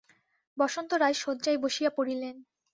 বসন্ত রায় শয্যায় বসিয়া পড়িলেন।